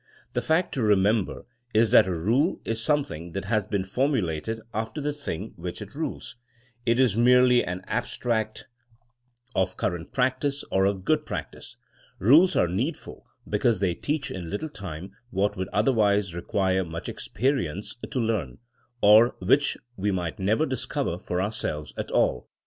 The fact to remember is that a rule is some thing that has been formulated after the thing which it rules. It is merely an abstract of cur THINEINa AS A SCIENCE 245 rent practice or of good practice. Eules are needful because they teach in little time what would otherwise require much experience to leam, or which we might never discover for our selves at all.